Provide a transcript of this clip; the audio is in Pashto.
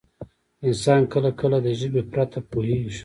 انسان کله کله د ژبې پرته پوهېږي.